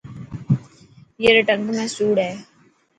اي ري ٽنگ ۾ سوڙ هي.